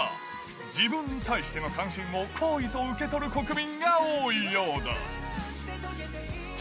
自分に対しての関心を好意と受け取る国民が多いようだ。